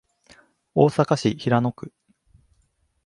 大阪市平野区